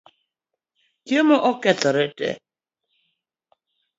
Chiemo okethoree tee